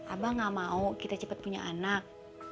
abang gak mau kita cepat punya anak